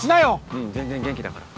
うん全然元気だから。